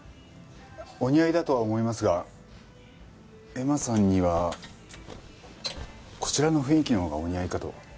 お似合いだとは思いますが恵麻さんには。こちらの雰囲気のほうがお似合いかと。